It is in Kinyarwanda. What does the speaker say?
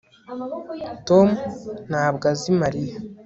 tom ntabwo azi mariya